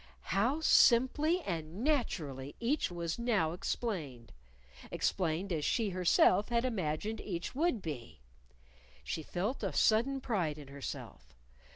How simply and naturally each was now explained! explained as she herself had imagined each would be. She felt a sudden pride in herself.